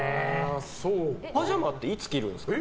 パジャマっていつ着るんですか？